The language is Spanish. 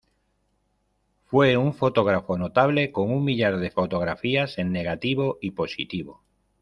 Fue un fotógrafo notable, con un millar de fotografías en negativo y positivo.